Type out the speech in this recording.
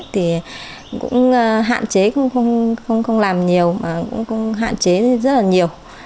thì cũng hạn chế không làm nhiều mà cũng hạn chế rất là nhiều